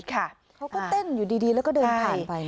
เขาก็เต้นอยู่ดีแล้วก็เดินผ่านไป